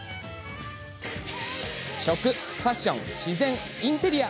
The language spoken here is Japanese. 食、ファッション、自然インテリア。